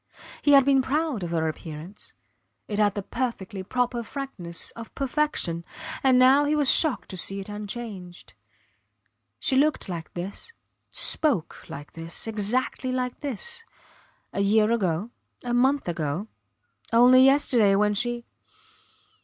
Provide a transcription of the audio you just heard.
He had been proud of her appearance. It had the perfectly proper frankness of perfection and now he was shocked to see it unchanged. She looked like this, spoke like this, exactly like this, a year ago, a month ago only yesterday when she.